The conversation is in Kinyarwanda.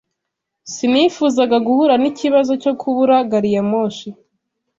Sinifuzaga guhura n'ikibazo cyo kubura gari ya moshi,